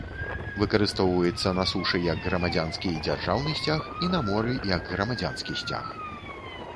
Выкарыстоўваецца на сушы як грамадзянскі і дзяржаўны сцяг і на моры як грамадзянскі сцяг.